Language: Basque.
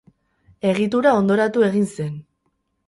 Egitura hondoratu egin zen.